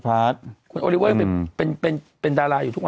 เป็นดาราอยู่ทุกขวัด